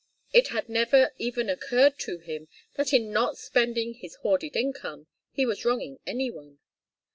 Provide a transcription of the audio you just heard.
It had never even occurred to him that in not spending his hoarded income he was wronging any one.